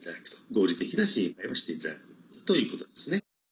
合理的な心配はしていただくということですね。